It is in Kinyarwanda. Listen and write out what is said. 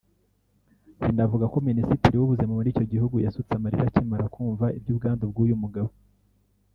rinavuga ko Minisitiri w’ubuzima muri icyo gihugu yasutse amarira akimara kumva iby’ubwandu bw’uyu mugabo